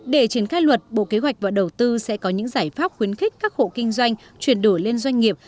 để triển khai luật bộ kế hoạch và đầu tư sẽ có những giải pháp khuyến khích các hộ kinh doanh chuyển đổi lên doanh nghiệp